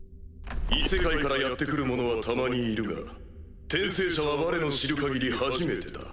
異世界からやって来る者はたまにいるが転生者は我の知るかぎり初めてだ。